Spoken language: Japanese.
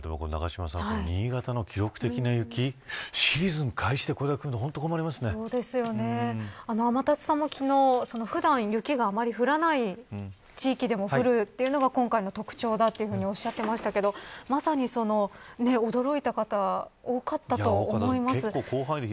永島さん、新潟の記録的な雪シーズン開始でこれだけ降るの天達さんも昨日普段、雪があまり降らない地域でも降るというのが今回の特徴だとおっしゃってましたけれどもまさに、驚いた方多かったと思います。